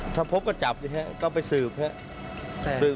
ถ้าพบก็จับก็ไปสืบ